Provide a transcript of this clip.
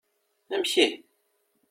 Amek ihi?